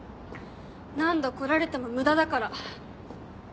何度来られても無駄だから。